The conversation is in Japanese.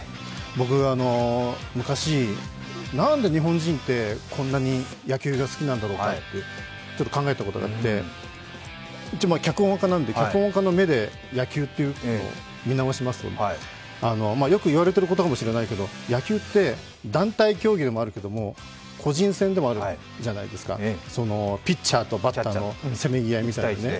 僕、昔、なんで日本人ってこんなに野球が好きなんだろうかとちょっと考えたことがあって、脚本家なので、脚本家の目で野球を見直しますと、よく言われていることかもしれないけど野球って、団体競技でもあるんだけど個人戦でもあるじゃないですか。ピッチャーとバッターのせめぎ合いみたいな。